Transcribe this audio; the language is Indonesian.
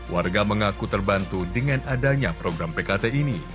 warga mengaku terbantu dengan adanya program pkt ini